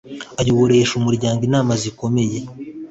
ayoboresha umuryango inama zikomeye,